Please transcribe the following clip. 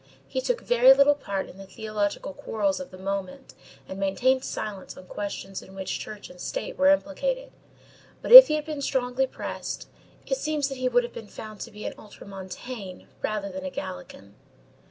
He took very little part in the theological quarrels of the moment, and maintained silence on questions in which Church and State were implicated; but if he had been strongly pressed, it seems that he would have been found to be an ultramontane rather than a gallican.